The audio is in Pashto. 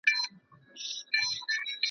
ما شبقدر دی لیدلی منل کیږي مي خواستونه .